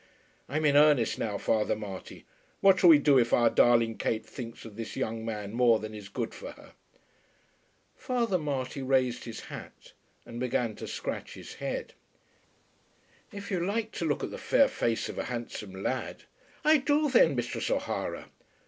"I'm in earnest now, Father Marty. What shall we do if our darling Kate thinks of this young man more than is good for her?" Father Marty raised his hat and began to scratch his head. "If you like to look at the fair face of a handsome lad " "I do thin, Misthress O'Hara."